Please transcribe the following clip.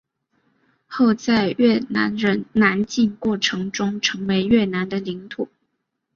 后在越南人南进过程中成为越南的领土。